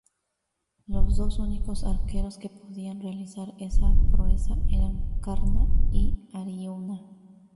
Los dos únicos arqueros que podían realizar esa proeza eran Karna y Aryuna.